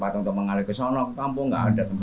kalau yang udah kerendam